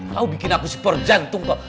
kau bikin aku super jantung pak